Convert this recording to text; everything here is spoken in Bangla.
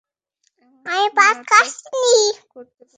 এমন নাটক করতে পারো!